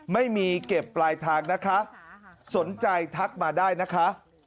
ไม่มีเก็บปลายทางนะคะสนใจทักมาได้นะคะ